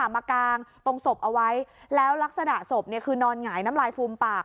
มากางตรงศพเอาไว้แล้วลักษณะศพคือนอนหงายน้ำลายฟูมปาก